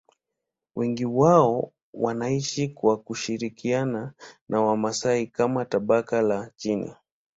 Wengi wao wanaishi kwa kushirikiana na Wamasai kama tabaka la chini.